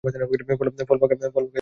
ফল হালকা হলুদ বর্ণের।